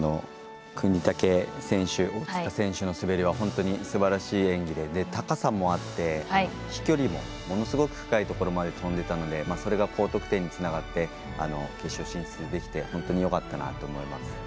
國武選手大塚選手の滑りは本当にすばらしい演技で高さもあって飛距離もものすごく深いところまでとんでいたのでそれが高得点につながって決勝進出できて本当によかったなと思います。